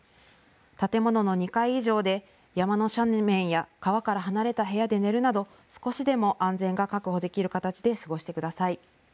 建物の２階以上で山の斜面や川から離れた部屋で寝るなど少しでも安全が確保できる形で過ごしてください。